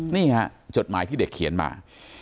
นี่ฮะจดหมายที่เด็กเขียนมา